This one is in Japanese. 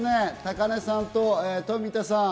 根さんと富田さん。